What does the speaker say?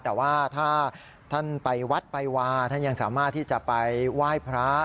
แต่ว่าถ้าท่านไปวัดไปวาท่านยังสามารถที่จะไปไหว้พระ